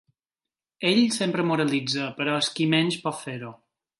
Ell sempre moralitza, però és qui menys pot fer-ho.